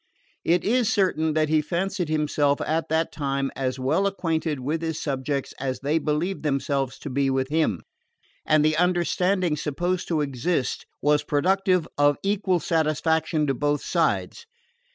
It is certain that he fancied himself, at that time, as well acquainted with his subjects as they believed themselves to be with him; and the understanding supposed to exist was productive of equal satisfaction to both sides.